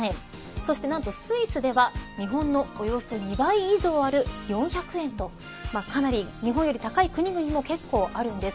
そして何とスイスでは日本のおよそ２倍以上ある４００円とかなり日本より高い国々も結構あるんです。